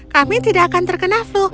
kami tidak akan terkena vul